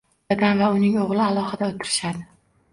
Dadam va uning oʻgʻli alohida oʻtirishadi.